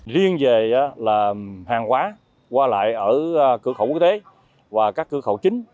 riêng về là hàng hóa qua lại ở cửa khẩu quốc tế và các cửa khẩu chính